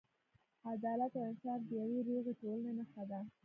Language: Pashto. عدالت او انصاف د یوې روغې ټولنې نښه ده.